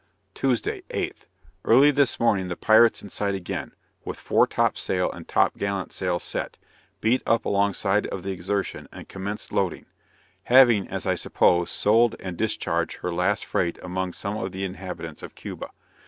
Tuesday, 8th. Early this morning the pirates in sight again, with fore top sail and top gallant sail set; beat up along side of the Exertion and commenced loading; having, as I supposed, sold and discharged her last freight among some of the inhabitants of Cuba.